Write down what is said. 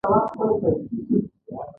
هره ورځ د تولید کرښه وګورئ.